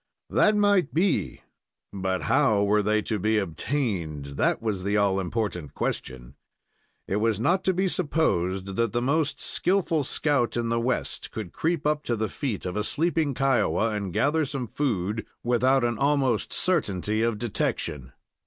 That might be, but how were they to be obtained? That was the all important question. It was not to be supposed that the most skillful scout in the West could creep up to the feet of a sleeping Kiowa and gather some food without an almost certainty of detection.